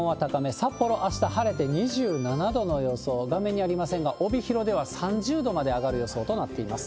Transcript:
札幌、あした晴れて２７度の予想、画面にありませんが、帯広では３０度まで上がる予想となっています。